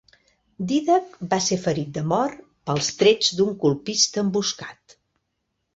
Dídac va ser ferit de mort pels trets d'un colpista emboscat.